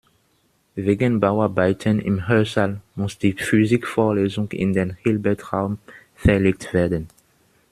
Wegen Bauarbeiten im Hörsaal muss die Physikvorlesung in den Hilbertraum verlegt werden.